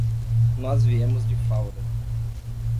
Nós viemos de Faura.